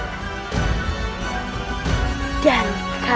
itoendang saya terakal